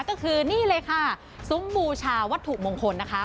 ก็คือนี่เลยค่ะซุ้มบูชาวัตถุมงคลนะคะ